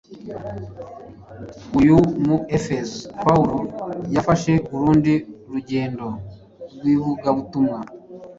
Avuye mu Efeso, Pawulo yafashe urundi rugendo rw’ivugabutumwa.